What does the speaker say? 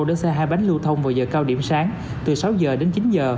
đến xe hai bánh lưu thông vào giờ cao điểm sáng từ sáu h đến chín h